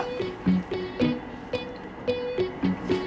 kok berat ya matang